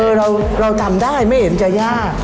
เราทำได้ไม่เห็นจะยาก